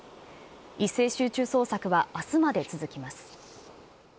一斉集中捜索はあすまで続きます。